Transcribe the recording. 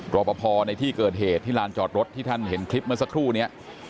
รอปภในที่เกิดเหตุที่ลานจอดรถที่ท่านเห็นคลิปเมื่อสักครู่นี้